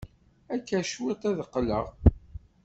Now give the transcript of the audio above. Akka cwiṭ ad d-qqleɣ.